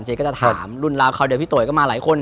ก็จะถามรุ่นราวคราวเดียวพี่โต๋ยก็มาหลายคน